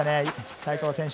西藤選手。